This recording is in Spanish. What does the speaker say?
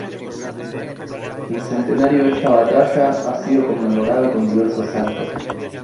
El centenario de esta batalla ha sido conmemorado con diversos actos.